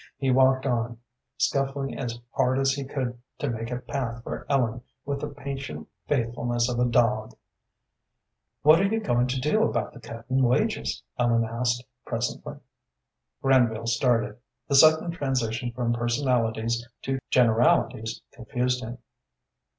He walked on, scuffling as hard as he could to make a path for Ellen with the patient faithfulness of a dog. "What are you going to do about the cut in wages?" Ellen asked, presently. Granville started. The sudden transition from personalities to generalities confused him.